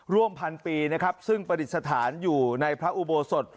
ร่วมพันปีนะครับซึ่งประดิษฐานอยู่ในพระอุโบสถ